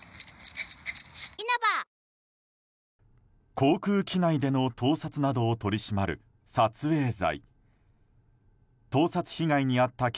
航空機内での盗撮などを取り締まる撮影罪。